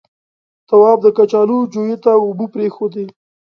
تواب د کچالو جويې ته اوبه پرېښودې.